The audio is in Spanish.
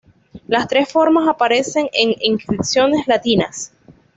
Las tres formas aparecen en inscripciones latinas.